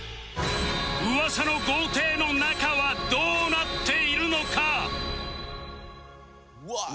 噂の豪邸の中はどうなっているのか？